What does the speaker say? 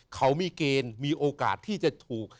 เขามีเกณฑ์มีโอกาสที่จะถูก